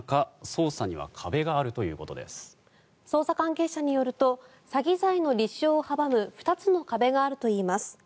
捜査関係者によると詐欺罪の立証を阻む２つの壁があるといいます。